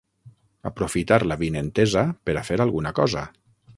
Aprofitar l'avinentesa per a fer alguna cosa.